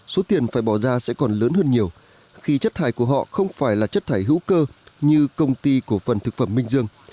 số tiền phải bỏ ra sẽ còn lớn hơn nhiều khi chất thải của họ không phải là chất thải hữu cơ như công ty cổ phần thực phẩm minh dương